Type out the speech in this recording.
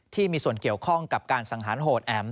ที่มีส่วนเกี่ยวข้องกับการสังหารโหดแอ๋ม